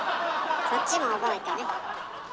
そっちも覚えてね。